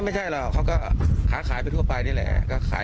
ไม่ใช่หรอกเขาก็ค้าขายไปทั่วไปนี่แหละ